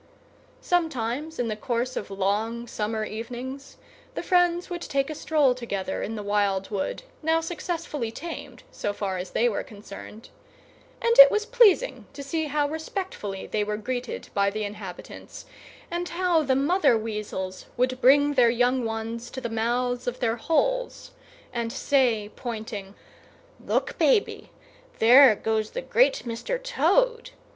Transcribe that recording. Sometimes, in the course of long summer evenings, the friends would take a stroll together in the Wild Wood, now successfully tamed so far as they were concerned; and it was pleasing to see how respectfully they were greeted by the inhabitants, and how the mother weasels would bring their young ones to the mouths of their holes, and say, pointing, "Look, baby! There goes the great Mr. Toad!